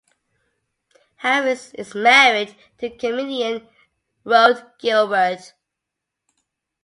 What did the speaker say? Harries is married to comedian Rhod Gilbert.